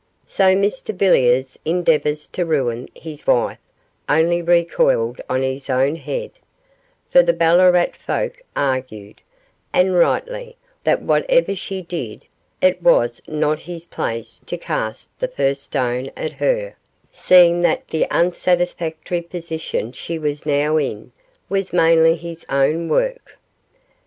So Mr Villiers' endeavours to ruin his wife only recoiled on his own head, for the Ballarat folk argued, and rightly, that whatever she did it was not his place to cast the first stone at her, seeing that the unsatisfactory position she was now in was mainly his own work.